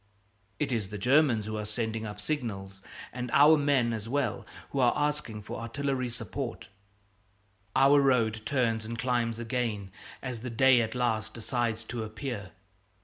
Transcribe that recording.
It is the Germans who are sending up signals, and our men as well who are asking for artillery support. Our road turns and climbs again as the day at last decides to appear.